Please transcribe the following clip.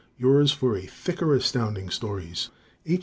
Yours for a thicker Astounding Stories H.